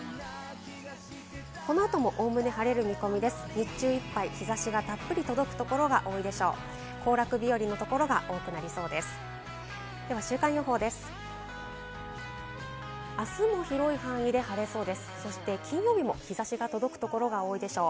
日中いっぱい日差しがたっぷり届く所が多いでしょう。